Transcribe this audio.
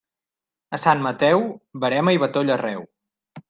A Sant Mateu, verema i batoll arreu.